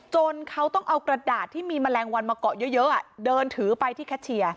จนเขาต้องเอากระดาษที่มีแมลงวันมาเกาะเยอะเดินถือไปที่แคชเชียร์